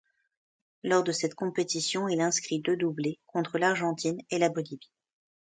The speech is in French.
Lors de cette compétition, il inscrit deux doublés, contre l'Argentine, et la Bolivie.